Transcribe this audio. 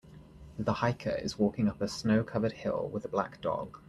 The hiker is walking up a snow covered hill with a black dog.